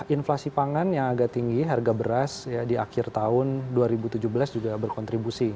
inflasi pangan yang agak tinggi harga beras di akhir tahun dua ribu tujuh belas juga berkontribusi